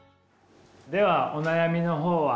ではお悩みの方は？